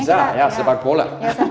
bisa ya sepak bola